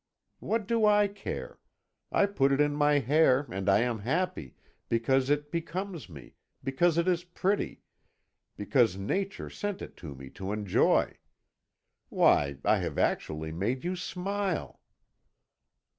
What do I care? I put it in my hair, and I am happy because it becomes me, because it is pretty, because Nature sent it to me to enjoy. Why, I have actually made you smile!"